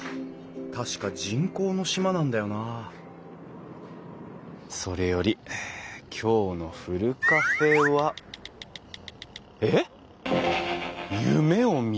確か人工の島なんだよなそれより今日のふるカフェは。えっ！？